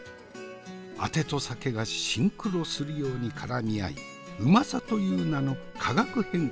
あてと酒がシンクロするように絡み合いうまさという名の化学変化が起こる。